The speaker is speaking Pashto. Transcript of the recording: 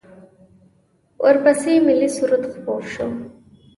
ورپسې ملی سرود خپور شو.